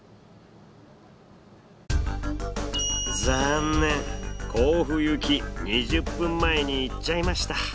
残念甲府行き２０分前に行っちゃいました。